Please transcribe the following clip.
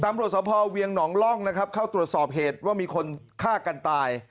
ตำรวจสภเวียงหนองล่องนะครับเข้าตรวจสอบเหตุว่ามีคนฆ่ากันตาย